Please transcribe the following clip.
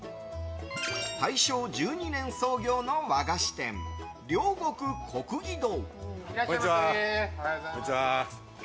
大正１２年創業の和菓子店両国國技堂。